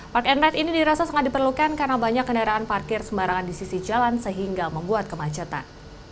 park and ride ini dirasa sangat diperlukan karena banyak kendaraan parkir sembarangan di sisi jalan sehingga membuat kemacetan